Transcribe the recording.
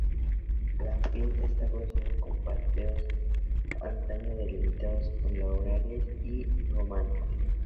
La finca esta cruzada con paseos, antaño delimitados con laureles romanos.